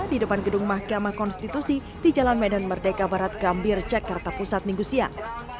di depan gedung mahkamah konstitusi di jalan medan merdeka barat gambir jakarta pusat minggu siang